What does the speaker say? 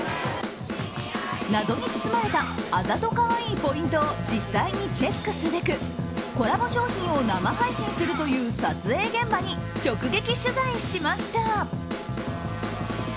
謎に包まれたあざとカワイイポイントを実際にチェックすべくコラボ商品を生配信するという撮影現場に直撃取材しました。